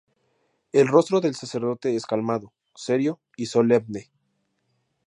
El rostro del sacerdote es calmado, serio y solemne.